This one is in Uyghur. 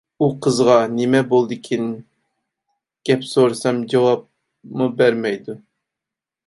ئۇ قىزغا نېمە بولدىكىن گەپ سورىسام جاۋابمۇ بەرمەيدۇ.